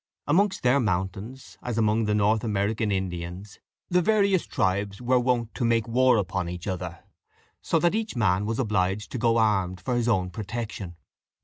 Amongst their mountains, as among the North American Indians, the various tribes were wont to make war upon each other, so that each man was obliged to go armed for his own protection.